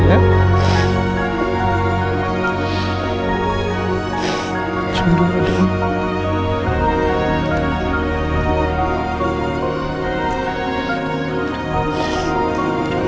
jangan lupa ya